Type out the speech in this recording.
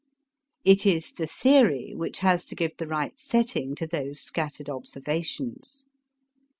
It is the theory which has to give the right setting to those scattered observations.